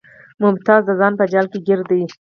ممتاز د ځان په جال کې ګیر دی